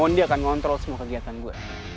mondi akan ngontrol semua kegiatan gue